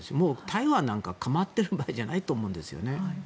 台湾なんか、構っている場合じゃないと思うんですよね。